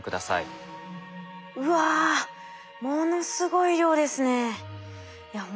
うわものすごい量ですね。